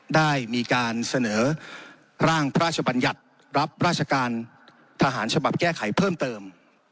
ได้มีการเสนอร่างพระราชบัญญัติรับราชการทหารฉบับแก้ไขเพิ่มเติม